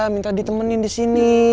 minta ditemenin di sini